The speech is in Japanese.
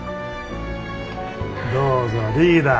どうぞリーダー。